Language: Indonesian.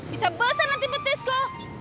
bisa besar nanti betis go